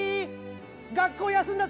学校休んだ